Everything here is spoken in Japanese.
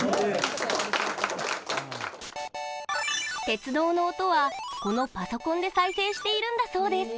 鉄道の音は、このパソコンで再生しているんだそうです。